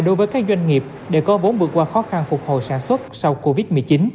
đối với các doanh nghiệp để có vốn vượt qua khó khăn phục hồi sản xuất sau covid một mươi chín